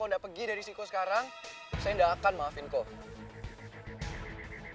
kalau kau gak pergi dari sini kau sekarang saya gak akan maafin kau